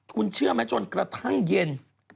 คุณเชื่อไหมจนกระทั่งเย็น